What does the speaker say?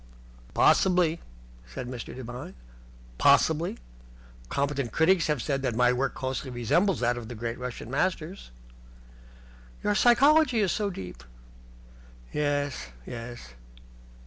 "Possibly," said Mr. Devine. "Possibly. Competent critics have said that my work closely resembles that of the great Russian Masters." "Your psychology is so deep." "Yes, yes."